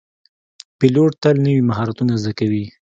پیلوټ تل نوي مهارتونه زده کوي.